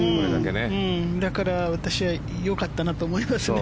だから、私はよかったなと思いますね。